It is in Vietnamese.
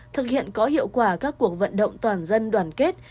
thực hiện có hiệu quả các cuộc vận động toàn dân đoàn kết